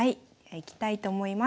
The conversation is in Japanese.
いきたいと思います。